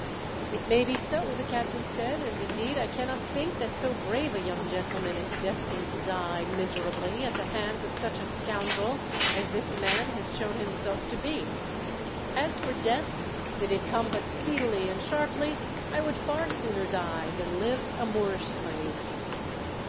"It may be so," the captain said, "and indeed I cannot think that so brave a young gentleman is destined to die, miserably, at the hands of such a scoundrel as this man has shown himself to be. As for death, did it come but speedily and sharply, I would far sooner die than live a Moorish slave.